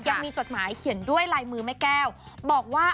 จดหมายเขียนด้วยลายมือแม่แก้วบอกว่า